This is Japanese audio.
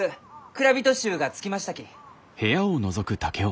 蔵人衆が着きましたき。